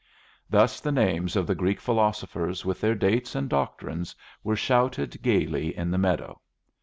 Thus the names of the Greek philosophers with their dates and doctrines were shouted gayly in the meadow.